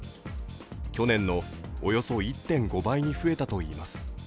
去年のおよそ１．５倍に増えたといいます。